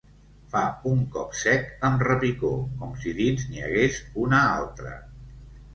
Fa un cop sec amb repicó, com si dins n'hi hagués una altra.